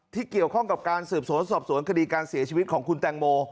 ที่เกี่ยวข้องกับการสืบสวนสอบสวนคดีการเสียชีวิตของคุณแตงโม